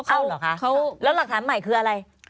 เข้าเหรอคะแล้วหลักฐานใหม่คืออะไร